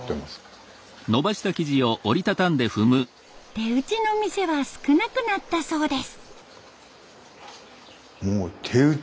手打ちの店は少なくなったそうです。